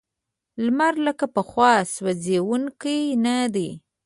لمر لکه پخوا سوځونکی نه دی.